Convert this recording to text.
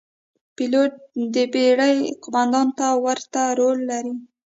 پیلوټ د بېړۍ قوماندان ته ورته رول لري.